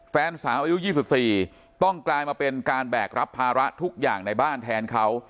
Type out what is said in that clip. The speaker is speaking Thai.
แฟนสาวอายุ๒๔ต้องกลายมาเป็นการแบกรับภาระทุกอย่างในบ้านแทนเขา